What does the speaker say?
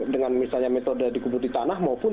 dengan misalnya metode digubur di tanah maupun